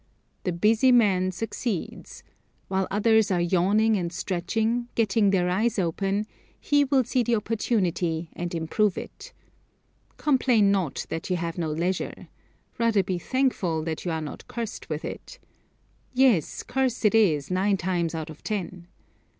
The busy man succeeds: While others are yawning and stretching, getting their eyes open, he will see the opportunity and improve it. Complain not that you have no leisure. Rather be thankful that you are not cursed with it. Yes, curse it is nine times out of ten.